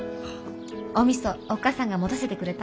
おみそおっ母さんが持たせてくれたんです。